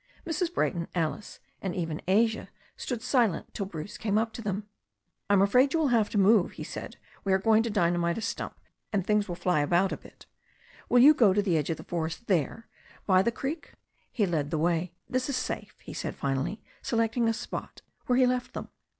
Mrs. Brayton, Alice, and even Asia stood silent till Bruce came up to them. "I'm afraid you will have to move," he said. "We are going to djmamite a stump, and things will fly about a bit. Will you go to the edge of the forest there, by the creek ?" He led the way. "This is safe," he said finally, selecting a spot, where he left them.